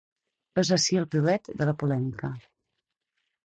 Heus ací el piulet de la polèmica.